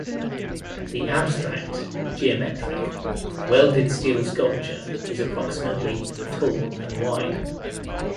The abstract (geometric) welded steel sculpture is approximately tall and wide.